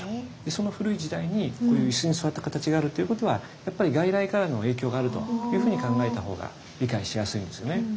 その古い時代にこういう椅子に座ったかたちがあるっていうことはやっぱり外来からの影響があるというふうに考えた方が理解しやすいですよね。